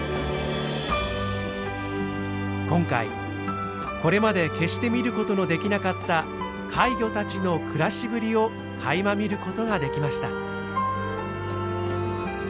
今回これまで決して見る事のできなかった怪魚たちの暮らしぶりをかいま見る事ができました。